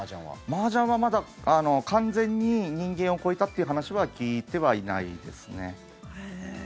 マージャンはまだ完全に人間を超えたっていう話は聞いてはいないですね。